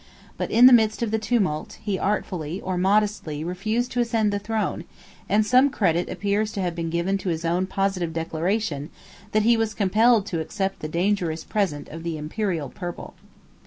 But in the midst of the tumult, he artfully, or modestly, refused to ascend the throne; and some credit appears to have been given to his own positive declaration, that he was compelled to accept the dangerous present of the Imperial purple.